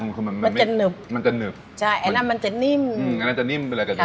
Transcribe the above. อืมคือมันจะหนึบเส้นนาบนั้มจะนิ่ม